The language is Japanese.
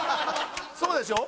そうでしょ？